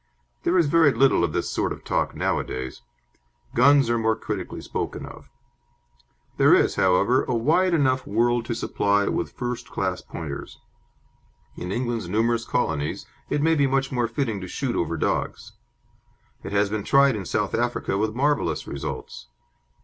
There is very little of this sort of talk now a days. Guns are more critically spoken of. There is, however, a wide enough world to supply with first class Pointers. In England's numerous colonies it may be much more fitting to shoot over dogs. It has been tried in South Africa with marvellous results.